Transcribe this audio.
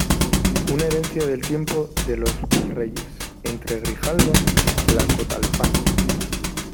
una herencia del tiempo de los virreyes, entre Grijalba y Tlacotalpan.